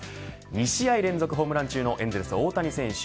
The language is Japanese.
２試合連続ホームラン中のエンゼルス大谷選手。